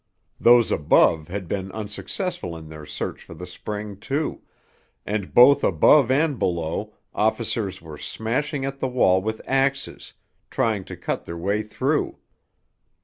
Those above had been unsuccessful in their search for the spring, too, and both above and below officers were smashing at the wall with axes, trying to cut their way through.